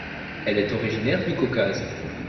Elle est originaire du Caucase.